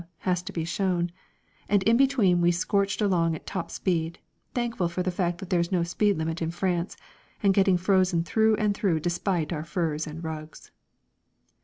has to be shown; and in between we scorched along at top speed, thankful for the fact that there is no speed limit in France, and getting frozen through and through despite our furs and rugs.